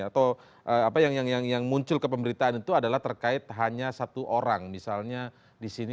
atau materi yang diuji materikan ini atau apa yang muncul ke pemberitaan itu adalah terkait hanya satu orang misalnya disini